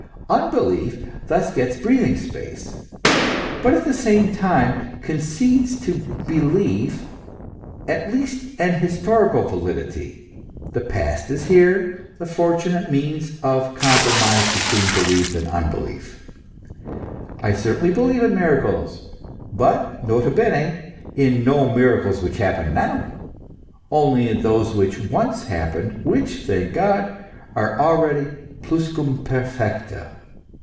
Unbelief thus gets breathing space, but at the same time concedes to belief at least an historical validity. The past is here the fortunate means of compromise between belief and unbelief: I certainly believe in miracles, but, nota bene, in no miracles which happen now only in those which once happened, which, thank God ! are already plus quam perfecta.